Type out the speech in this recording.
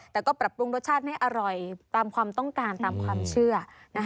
แต่ก็ปรับปรุงรสชาติให้อร่อยตามความต้องการตามความเชื่อ